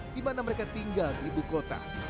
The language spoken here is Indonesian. di mana mereka tinggal di ibu kota